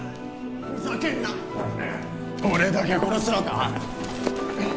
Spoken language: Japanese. ふざけんな俺だけ殺すのか？